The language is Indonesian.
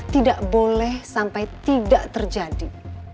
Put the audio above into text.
tidak boleh sampai tidak terjadi